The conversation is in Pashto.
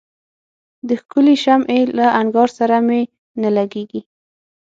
د ښکلي شمعي له انګار سره مي نه لګیږي